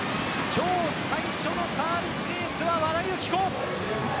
今日最初のサービスエースは和田由紀子。